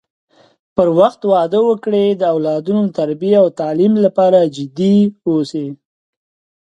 پر وخت واده وکړي د اولادونو د تربی او تعليم لپاره جدي اوسی